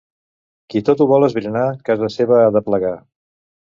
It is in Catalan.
Qui tot ho vol esbrinar, casa seva ha de plegar.